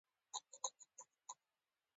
ازادي راډیو د اقلیم په اړه تفصیلي راپور چمتو کړی.